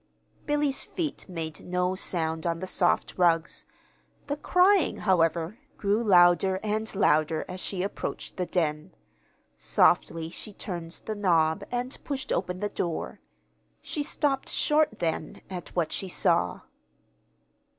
Billy's feet made no sound on the soft rugs. The crying, however, grew louder and louder as she approached the den. Softly she turned the knob and pushed open the door. She stopped short, then, at what she saw.